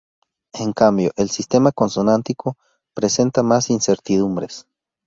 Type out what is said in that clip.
En cambio el sistema consonántico presenta más incertidumbres.